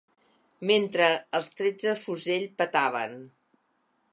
Mentre els trets de fusell petaven